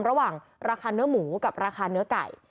ระหว่างราคาเนื้อหมูกับราคาเนื้อไก่